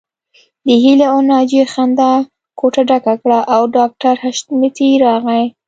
د هيلې او ناجيې خندا کوټه ډکه کړه او ډاکټر حشمتي راغی